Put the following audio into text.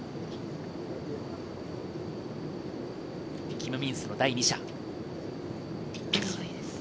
キム・ミンスの第２射。